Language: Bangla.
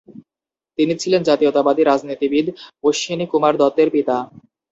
তিনি ছিলেন জাতীয়তাবাদী রাজনীতিবিদ অশ্বিনী কুমার দত্তের পিতা।